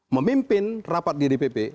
memimpin rapat di dpp